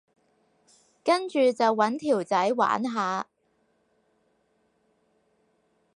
跟住就搵條仔玩下